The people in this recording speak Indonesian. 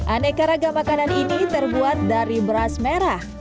aneka raga makanan ini terbuat dari beras merah